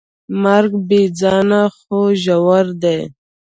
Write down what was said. مرګ بېځانه خو ژور دی.